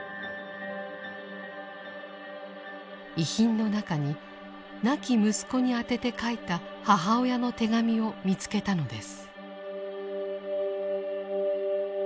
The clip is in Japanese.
遺品の中に亡き息子に宛てて書いた母親の手紙を見つけたのです。